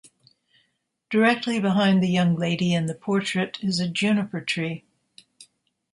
Directly behind the young lady in the portrait is a juniper tree.